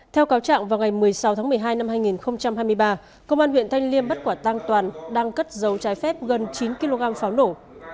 theo cáo trạng vào ngày một mươi sáu tháng một mươi hai năm hai nghìn hai mươi ba công an huyện thanh liêm bắt quả tang toàn đang cất giấu trái phép gần chín kg pháo nổ